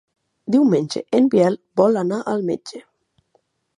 Diumenge en Biel vol anar al metge.